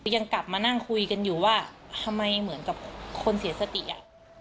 ยังกลับมานั่งคุยกันอยู่ว่าทำไมเหมือนกับคนเสียสติอ่ะ